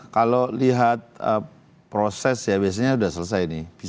kalau lihat proses ya biasanya sudah selesai nih